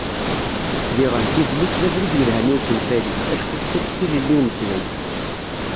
Diɣen, tizlit d abrid yelhan i usenfali, acku tettak tilelli n umeslay.